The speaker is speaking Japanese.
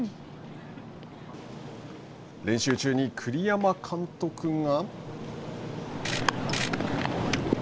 練習中に栗山監督が。